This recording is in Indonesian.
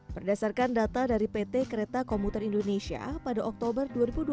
berdasarkan data dari pt kereta komuter indonesia pada oktober dua ribu dua puluh